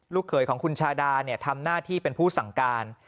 เขยของคุณชาดาทำหน้าที่เป็นผู้สั่งการ